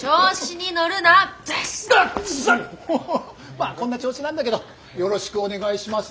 まあこんな調子なんだけどよろしくお願いしますね。